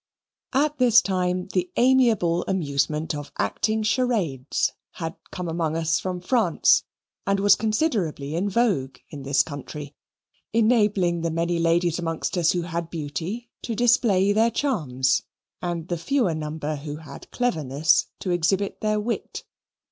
At this time the amiable amusement of acting charades had come among us from France, and was considerably in vogue in this country, enabling the many ladies amongst us who had beauty to display their charms, and the fewer number who had cleverness to exhibit their wit.